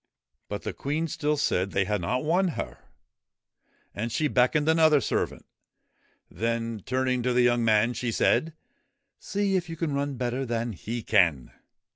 But the Queen still said they had not won her 1 And she beckoned another servant. Then, turning to the young man, she said :' See if you can run better than he can.